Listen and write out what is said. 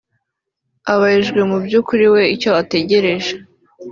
Abaijwe mu by’ukuri icyo we ategereje